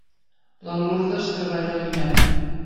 La Lurdes treballa a l'INEM.